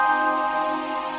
yaudah yuk yuk